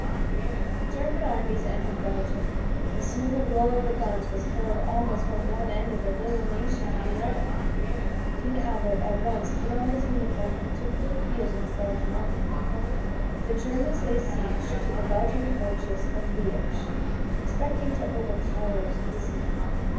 The German armies entered Belgium, and soon the roar of the guns was heard almost from one end of the little nation to the other. King Albert at once put on his uniform and took to the field with the Belgian army. The Germans laid siege to the Belgian fortress of Liège, expecting to overpower it easily.